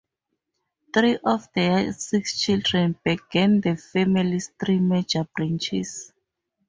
Three of their six children began the family's three major branches.